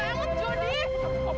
tidak tidak tidak